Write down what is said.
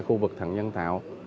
khu vực thần nhân tạo